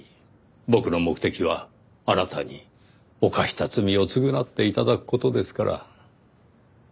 僕の目的はあなたに犯した罪を償って頂く事ですから。